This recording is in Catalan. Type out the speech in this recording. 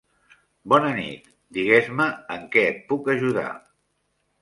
Bona nit, digues-me en què et puc ajudar.